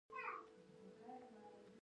خور له زړونو سره مرسته کوي.